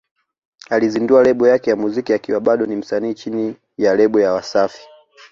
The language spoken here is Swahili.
Alizindua lebo yake ya muziki akiwa bado ni msanii chini ya lebo ya Wasafi